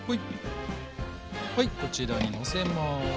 はいこちらにのせます。